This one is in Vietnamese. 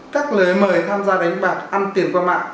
các lời mời tham gia đánh bạc ăn tiền qua mạng